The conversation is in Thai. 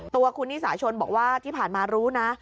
ตัวคุณนิสาชนบอกว่าที่ผ่านมารู้นะ